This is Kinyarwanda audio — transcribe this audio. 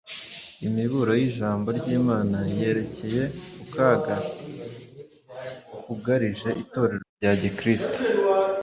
Imiburo y’ijambo ry’Imana yerekeye ku kaga kugarije Itorero rya Gikristo